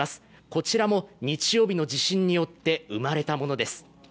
こちらも日曜日の地震によって生まれたものです。